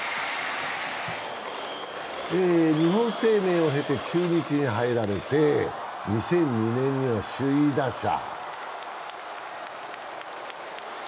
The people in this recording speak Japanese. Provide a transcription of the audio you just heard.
日本生命をへて中日に入られて２００２年には首位打者。